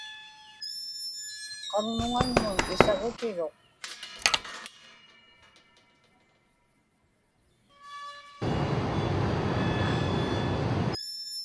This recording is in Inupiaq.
qaŋmuŋanmun isagutiruq